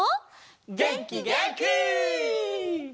げんきげんき！